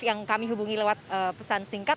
yang kami hubungi lewat pesan singkat